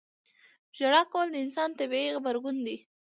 • ژړا کول د انسان طبیعي غبرګون دی.